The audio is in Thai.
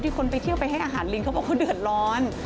คนไปเที่ยวไปให้อาหารลิงเขาบอกเขาเดือดร้อน